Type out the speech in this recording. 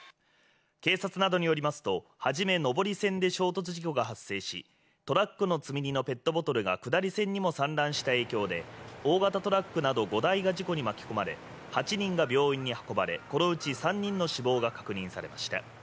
警察などによりますと、初め上り線で衝突事故が発生しトラックの積み荷のペットボトルが下り線にも散乱した影響で大型トラックなど５台が事故に巻き込まれ８人が病院に運ばれこのうち３人の死亡が確認されました。